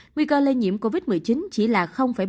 nguy cơ lây nhiễm covid một mươi chín chỉ là một